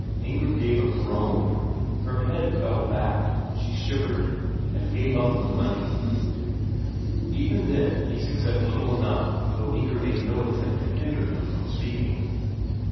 Inger gave a groan, her head fell back, she shivered, and gave up the money. Even then Isak said little, though Inger made no attempt to hinder him from speaking.